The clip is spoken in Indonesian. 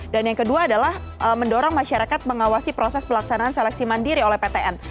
dan yang kedua adalah mendorong masyarakat mengawasi proses pelaksanaan seleksi mandiri oleh ptn